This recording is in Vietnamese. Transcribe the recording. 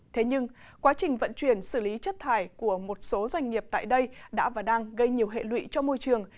thế nhưng quá trình vận chuyển xử lý chất thải của một số doanh nghiệp tại đây đã và đang gây nhiều hệ lụy cho môi trường